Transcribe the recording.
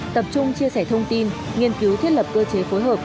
tập trung chia sẻ thông tin nghiên cứu thiết lập cơ chế phối hợp